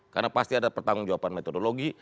karena pasti ada pertanggung jawaban metodologi